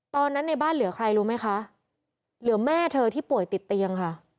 ตอนนั้นในบ้านเหลือใครรู้ไหมคะเหลือแม่เธอที่ป่วยติดเตียงค่ะ